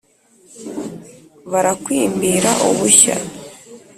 barakwimbira ubushya.